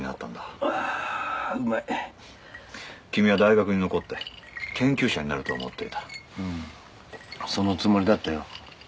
うまい君は大学に残って研究者になると思っていたうんそのつもりだったよ